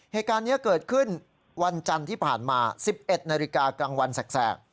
เหตุการณ์นี้เกิดขึ้นวันจันทร์ที่ผ่านมา๑๑นาฬิกากลางวันแสก